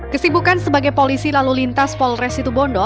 kesibukan sebagai polisi lalu lintas polres situ bondo